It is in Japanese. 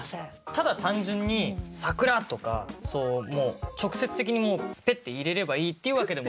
ただ単純に「桜」とか直接的にペッて入れればいいっていうわけでも。